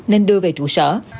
nên đưa về trụ sở